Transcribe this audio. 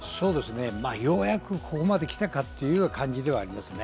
ようやくここまできたかという感じではありますね。